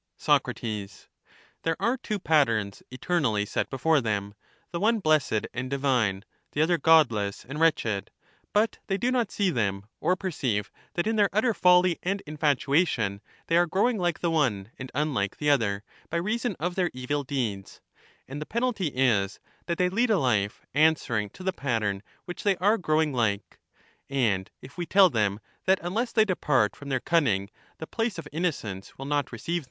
Sac, There are two patterns eternally set before them ; the one blessed and divine, the other godless and wretched : but they do not see them, or perceive that in their utter folly and infatuation they are growing like the one and unlike the 177 other, by reason of their evil deeds ; and the penalty is, that they lead a life answering to the pattern which they are growing like. And if we tell them, that unless they depart The wicked from their cunning, the place of innocence will not receive j^"?"